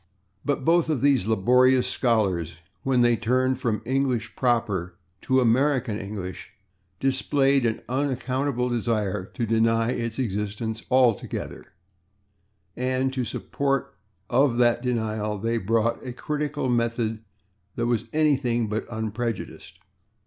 But both of these laborious scholars, when they turned from English proper to American English, displayed an unaccountable desire to deny its existence altogether, and to the support of that denial they brought a critical method that was anything but unprejudiced.